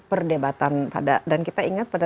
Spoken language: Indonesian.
perdebatan pada dan kita ingat pada